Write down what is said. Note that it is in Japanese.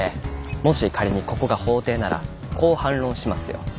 もし仮にここが法廷ならこう反論しますよ。